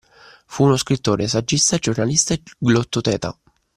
Fu uno scrittore, saggista, giornalista e glottoteta.